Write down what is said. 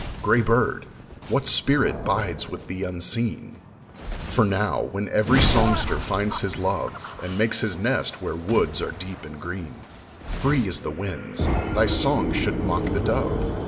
Gray bird, what spirit bides with thee unseen? For now, when every songster finds his love And makes his nest where woods are deep and green, Free as the winds, thy song should mock the dove.